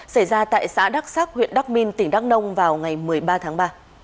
xảy ra tại xã đắk sắc huyện đắk minh tỉnh đắk nông vào ngày một mươi ba tháng ba